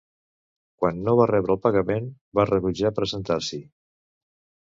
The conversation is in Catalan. Quan no va rebre el pagament, va rebutjar presentar-s'hi.